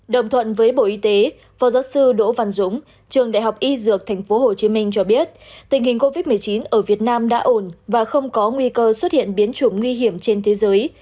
đồng thuận với bộ y tế phó giáo sư đỗ văn dũng trường đại học y dược tp hcm cho biết tình hình covid một mươi chín ở việt nam đã ổn và không có nguy cơ xuất hiện biến chủng nguy hiểm trên thế giới